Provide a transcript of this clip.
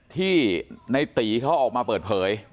ที่ในตีเขาออกมาเปิดเผย